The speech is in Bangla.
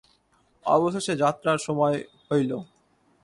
অবশেষে যাত্রার সময় হইল।